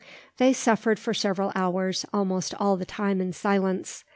They suffered for several hours, almost all the time in silence.